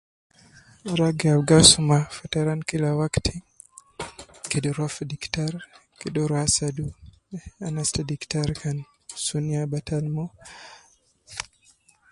Ragi ab gi asuma fataran kila wakti kede ruwa fi diktar kede uwo ruwa asadu ans ta diktar kan sunu ya batal moo.